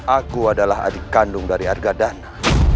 aku adalah adik kandung dari argadana